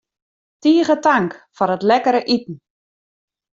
Tige tank foar it lekkere iten.